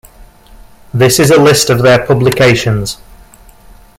This is a list of their publications.